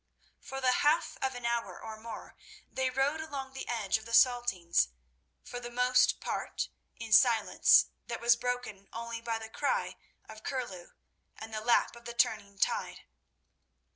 For the half of an hour or more they rode along the edge of the Saltings, for the most part in silence that was broken only by the cry of curlew and the lap of the turning tide.